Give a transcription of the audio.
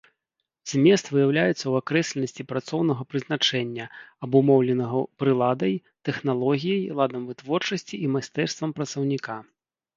Змест выяўляецца ў акрэсленасці працоўнага прызначэння, абумоўленага прыладай, тэхналогіяй, ладам вытворчасці і майстэрствам працаўніка.